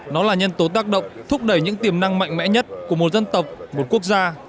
nó là nhân tố tác động thúc đẩy những tiềm năng mạnh mẽ nhất của một dân tộc một quốc gia